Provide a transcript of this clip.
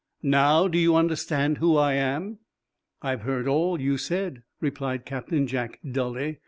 Now, do you understand who I am?" "I've heard all you said," replied Captain Jack, dully.